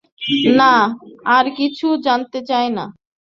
না, আর কিছু জানতে চাই না।